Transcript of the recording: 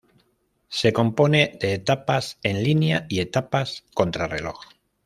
Se compone de etapas en línea y etapas contrarreloj.